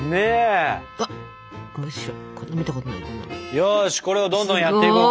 よしこれをどんどんやっていこう。